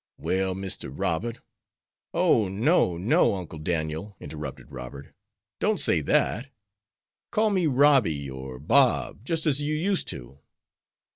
Well, Mr. Robert " "Oh, no, no, Uncle Daniel," interrupted Robert, "don't say that! Call me Robby or Bob, just as you used to."